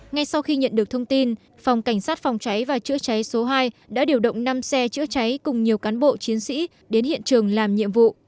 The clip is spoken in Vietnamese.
ngay sau khi nhận được thông tin phòng cảnh sát phòng cháy và chữa cháy số hai đã điều động năm xe chữa cháy cùng nhiều cán bộ chiến sĩ đến hiện trường làm nhiệm vụ